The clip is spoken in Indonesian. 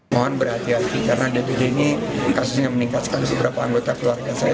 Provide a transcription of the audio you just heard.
mohon berhati hati karena ada tujuh ini kasusnya meningkatkan beberapa anggota keluarga saya